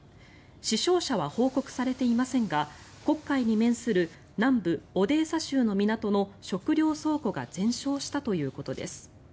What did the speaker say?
死傷者は報告されていませんが黒海に面する南部オデーサ州の港の食糧倉庫が全焼したということです。